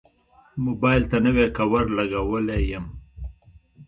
موبایل ته نوی کوور لګولی یم.